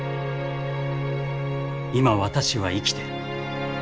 今私は生きてる。